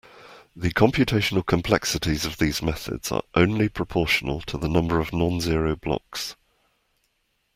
The computational complexities of these methods are only proportional to the number of non-zero blocks.